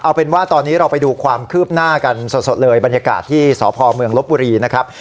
เอาเป็นว่าตอนนี้เราไปดูความคืบหน้ากันสดเลยบรรยากาศที่สพเมืองลบบุรีนะครับ